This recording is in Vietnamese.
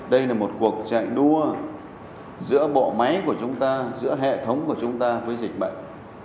đây là một cuộc chạy đua giữa bộ máy của chúng ta giữa hệ thống của chúng ta với dịch bệnh